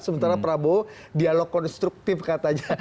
sementara prabowo dialog konstruktif katanya